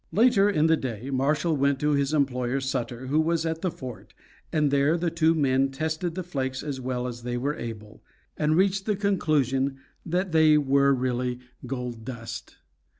Later in the day Marshall went to his employer Sutter, who was at the fort, and there the two men tested the flakes as well as they were able, and reached the conclusion that they were really gold dust.